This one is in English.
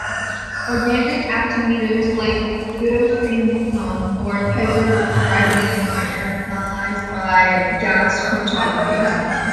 Organic actinometers like butyrophenone or piperylene are analysed by gas chromatography.